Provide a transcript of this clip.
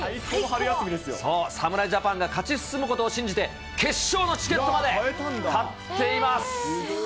そう、侍ジャパンが勝ち進むことを信じて、決勝のチケットまで買っています。